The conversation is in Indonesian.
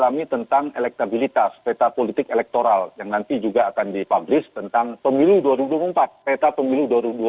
kami tentang elektabilitas peta politik elektoral yang nanti juga akan dipublis tentang pemilu dua ribu dua puluh empat peta pemilu dua ribu dua puluh